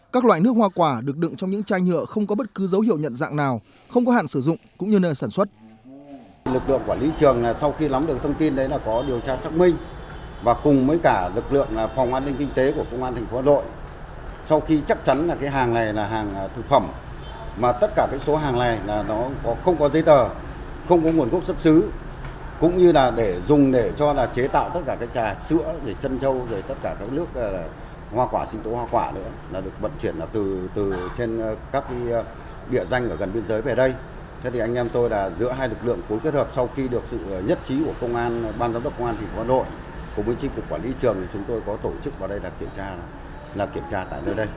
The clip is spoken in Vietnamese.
các loại nước hoa quả được đựng trong những chai nhựa không có bất cứ dấu hiệu nhận dạng nào không có hạn sử dụng cũng như nơi sản xuất